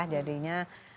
jadinya lebih mudah ya